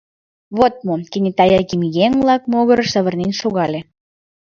— Вот мо! — кенета Яким еҥ-влак могырыш савырнен шогале.